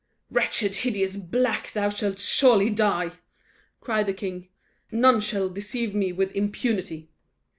"Wretched, hideous black, thou shalt surely die!" cried the king; "none shall deceive me with impunity."